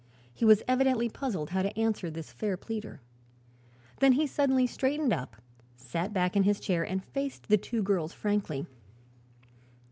He was evidently puzzled how to answer this fair pleader. Then he suddenly straightened up, sat back in his chair and faced the two girls frankly.